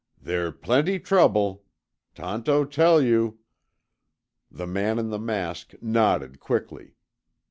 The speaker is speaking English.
"There plenty trouble. Tonto tell you." The man in the mask nodded quickly.